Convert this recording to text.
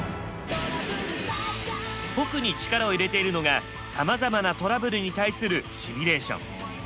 特に力を入れているのがさまざまなトラブルに対するシミュレーション。